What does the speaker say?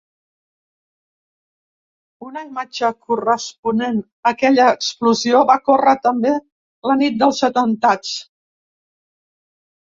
Una imatge corresponent a aquella explosió va córrer també la nit dels atemptats.